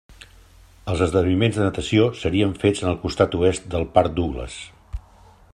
Els esdeveniments de natació serien fets en el costat oest del Parc Douglas.